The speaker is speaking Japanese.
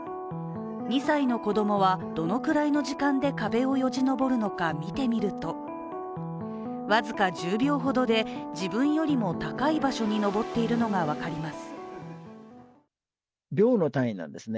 ２歳の子供はどのくらいの時間で壁をよじ登るのか見てみると、僅か１０秒ほどで自分よりも高い場所に登っているのが分かります。